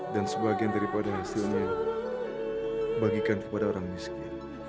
sebagian daripada hasilnya bagikan kepada orang miskin